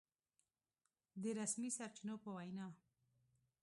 د رسمي سرچينو په وينا